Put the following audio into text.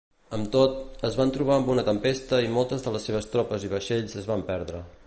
Amb tot, es van trobar amb una tempesta i moltes de les seves tropes i vaixells es van perdre.